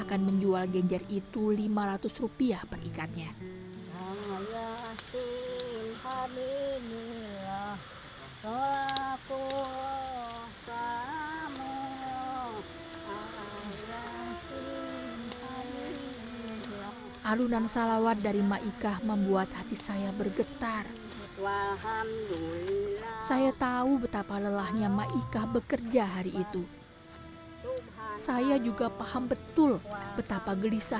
awalnya saya mengira ma icah bekerja sebagai buru tani